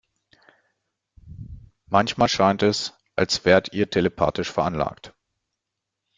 Manchmal scheint es, als wärt ihr telepathisch veranlagt.